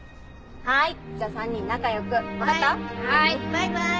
バイバイ。